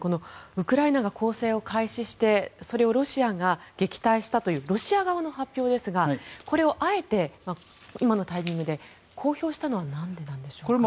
ウクライナが攻勢を開始してそれをロシアが撃退したというロシア側の発表ですがこれをあえて今のタイミングで公表したのはなんでなんでしょうか？